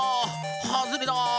はずれだ！